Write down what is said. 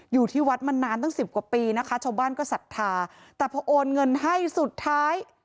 อยู่ที่วัดมานานตั้งสิบกว่าปีนะคะชาวบ้านก็ศรัทธาแต่พอโอนเงินให้สุดท้าย